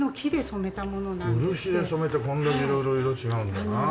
漆で染めてこんだけ色々色違うんだな。